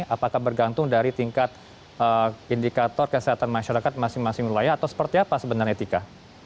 apakah bergantung dari tingkat indikator kesehatan masyarakat masing masing wilayah atau seperti apa sebenarnya tika